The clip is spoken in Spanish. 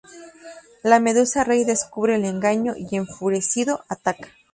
La medusa rey descubre el engaño y, enfurecido, ataca.